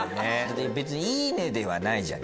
別にいいねではないじゃん。